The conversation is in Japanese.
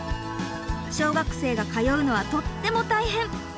小学生が通うのはとっても大変！